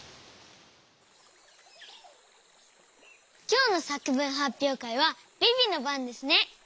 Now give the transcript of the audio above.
きょうのさくぶんはっぴょうかいはビビのばんですね。